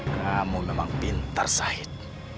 kamu memang pintar zahid